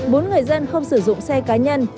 buốn người dân không sử dụng xe cá nhân